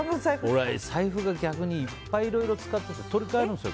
俺、財布をいっぱいいろいろ使ってて取り換えるんですよ。